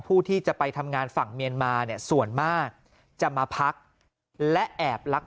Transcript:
ผู้ที่จะไปทำงานฝั่งเมียนมาเนี่ยส่วนมากจะมาพักและแอบลัก